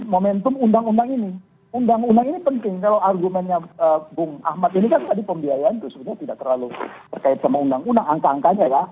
momentum undang undang ini undang undang ini penting kalau argumennya bung ahmad ini kan tadi pembiayaan itu sebenarnya tidak terlalu terkait sama undang undang angka angkanya ya